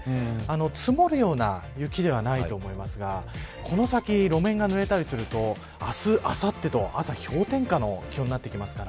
積もるような雪ではないと思いますがこの、先路面がぬれたりすると明日、あさって朝氷点下の気温になってきますから。